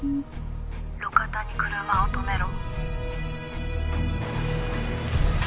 「路肩に車を止めろ」